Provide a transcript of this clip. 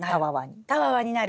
たわわになる。